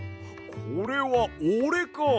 これはおれか！